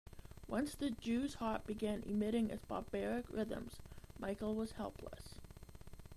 Once the jews harp began emitting its barbaric rhythms, Michael was helpless.